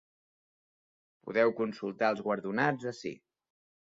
Podeu consultar els guardonats ací.